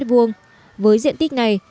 với diện tích này